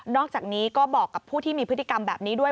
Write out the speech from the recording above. อกจากนี้ก็บอกกับผู้ที่มีพฤติกรรมแบบนี้ด้วย